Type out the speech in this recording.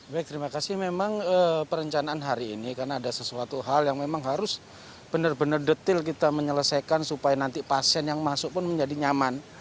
baik terima kasih memang perencanaan hari ini karena ada sesuatu hal yang memang harus benar benar detail kita menyelesaikan supaya nanti pasien yang masuk pun menjadi nyaman